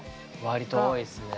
割と多いですね。